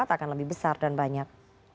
akan lebih berat